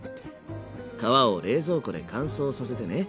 皮を冷蔵庫で乾燥させてね。